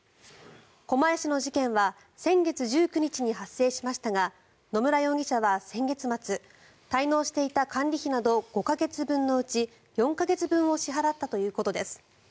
狛江市の事件は先月１９日に発生しましたが野村容疑者は先月末滞納していた管理費など５か月分のうち４か月分を支払ったということです。